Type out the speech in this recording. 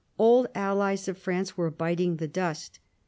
Old allies of France were biting the dust.